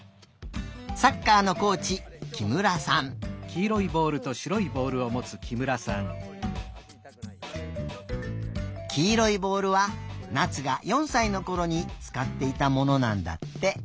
サッカーのコーチきいろいボールはなつが４さいのころにつかっていたものなんだって。